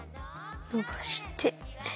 のばして。